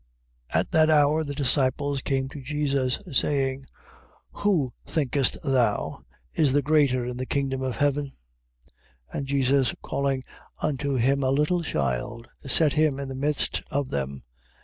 18:1. At that hour the disciples came to Jesus, saying: Who, thinkest thou, is the greater in the kingdom of heaven? 18:2. And Jesus, calling unto him a little child, set him in the midst of them.